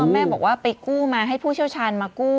แม่บอกว่าไปกู้มาให้ผู้เชี่ยวชาญมากู้